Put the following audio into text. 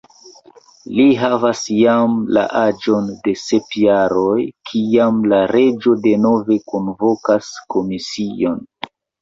Li havas jam la aĝon de sep jaroj, kiam la reĝo denove kunvokas komision.